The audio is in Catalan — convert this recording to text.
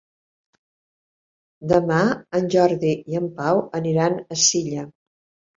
Demà en Jordi i en Pau aniran a Silla.